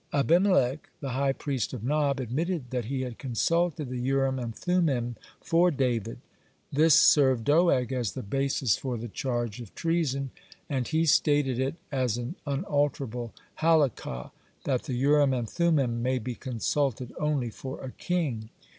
Abimelech, the high priest at Nob, admitted that he had consulted the Urim and Thummim for David. This served Doeg as the basis for the charge of treason, and he stated it as an unalterable Halakah that the Urim and Thummim may be consulted only for a king.